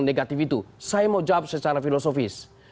negatif itu saya mau jawab secara filosofis